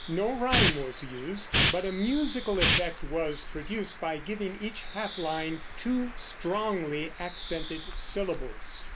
No rime was used; but a musical effect was produced by giving each half line two strongly accented syllables.